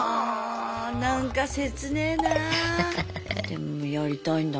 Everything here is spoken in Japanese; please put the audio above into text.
でもやりたいんだもんね。